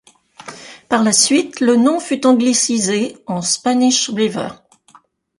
Par la suite, le nom fut anglicisé en Spanish River.